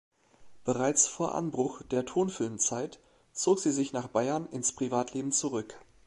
Bereits vor Anbruch der Tonfilmzeit zog sie sich nach Bayern ins Privatleben zurück.